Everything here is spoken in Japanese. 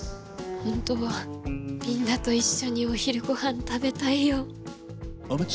ほんとはみんなと一緒にお昼ごはん食べたいよ。